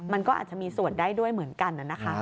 มันก็อาจจะมีส่วนได้ด้วยเหมือนกันนะคะ